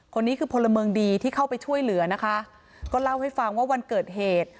คนนี้คือพลเมืองดีที่เข้าไปช่วยเหลือนะคะก็เล่าให้ฟังว่าวันเกิดเหตุ